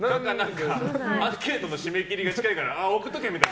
アンケートの締め切りが近いから送とっけみたいな。